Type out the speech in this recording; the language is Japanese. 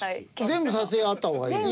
全部挿絵あった方がいい。